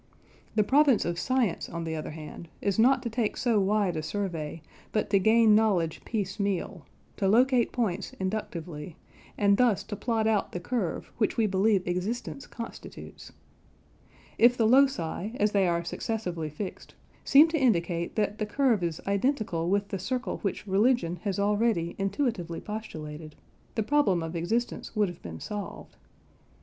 The province of science, on the other hand, is not to take so wide a survey, but to gain knowledge piece meal: to locate points inductively, and thus to plot out the curve which we believe existence constitutes. If the loci, as they are successively fixed, seem to indicate that the curve is identical with the circle which religion has already intuitively postulated, the problem of existence would have been solved.